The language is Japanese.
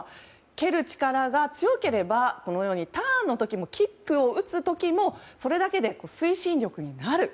蹴る力が強ければターンの時もキックを打つ時も、それだけで推進力になる。